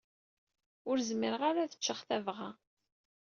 Ur zmireɣ ara ad ččeɣ tabɣa.